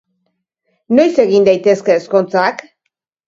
Noiz egin daitezke ezkontzak?